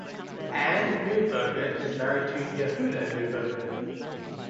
Anne Neuberger is married to Yehuda Neuberger.